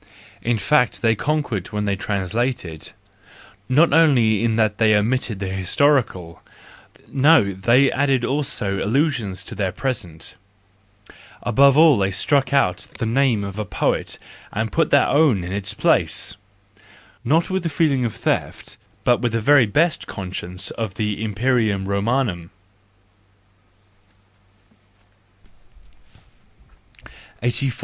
In fact, they conquered when they translated,—not only in that they omitted the historical: no, they added also allu¬ sions to the present; above all, they struck out the name of the poet and put their own in its place —not with the feeling of theft, but with the very best conscience of the imperium Romanian. 84.